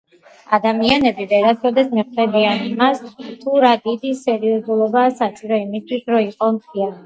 ადამიანები ვერასოდეს მიხვდებიან იმას თუ რა დიდი სერიოზულობაა სჭირო იმისთვის რო იყო მხიარული